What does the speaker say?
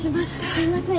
すいません。